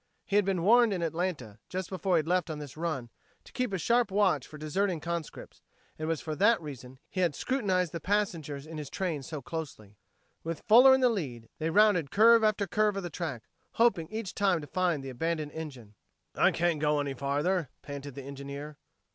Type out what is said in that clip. He had been warned in Atlanta, just before he left on this run, to keep a sharp watch for deserting conscripts; it was for that reason he had scrutinized the passengers in his train so closely. With Fuller in the lead, they rounded curve after curve of the track, hoping each time to find the abandoned engine. "I can't go any farther," panted the engineer.